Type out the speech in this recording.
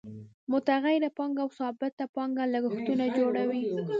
متغیره پانګه او ثابته پانګه لګښتونه جوړوي